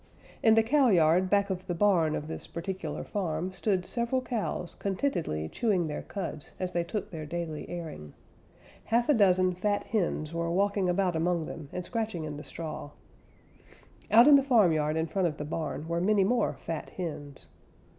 In the cowyard back of the barn of this particular farm stood several cows contentedly chewing their cuds as they took their daily airing. Half a dozen fat hens were walking about among them and scratching in the straw. Out in the farmyard in front of the barn were many more fat hens.